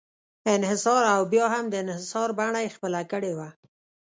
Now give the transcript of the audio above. انحصار او بیا هم د انحصار بڼه یې خپله کړې وه.